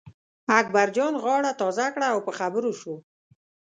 اکبرجان غاړه تازه کړه او په خبرو شو.